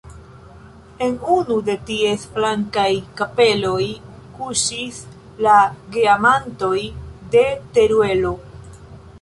En unu de ties flankaj kapeloj kuŝis la Geamantoj de Teruelo.